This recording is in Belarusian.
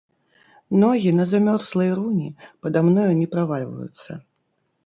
Ногі на замёрзлай руні пада мною не правальваюцца.